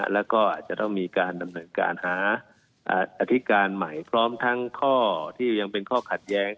แล้วก็อาจจะต้องมีการดำเนินการหาอธิการใหม่พร้อมทั้งข้อที่ยังเป็นข้อขัดแย้ง